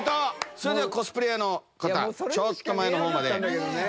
それではコスプレーヤーの方ちょっと前の方まで。